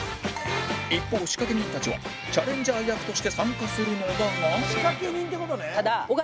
一方仕掛人たちはチャレンジャー役として参加するのだが